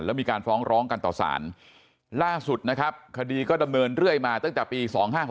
แล้วมีการฟ้องร้องกันต่อสารล่าสุดนะครับคดีก็ดำเนินเรื่อยมาตั้งแต่ปี๒๕๖๖